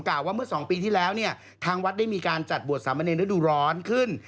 ว่าเมื่อ๒ปีที่แล้วเนี่ยทางวัดได้มีการจัดบวชสามเนรฤดูร้อนขึ้น